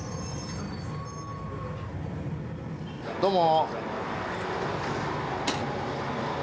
どうも。